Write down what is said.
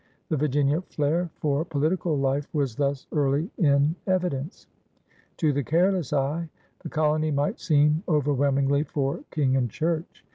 The Virginian flair for political life was thus early in evidence. To the careless eye the colony might seem overwhelm ingly for King and Church.